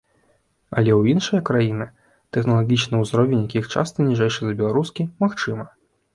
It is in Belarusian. Але ў іншыя краіны, тэхналагічны ўзровень якіх часта ніжэйшы за беларускі, магчыма.